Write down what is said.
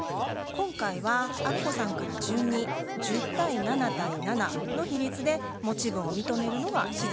今回はアッコさんから順に１０対７対７の比率で持分を認めるのが自然だと思います。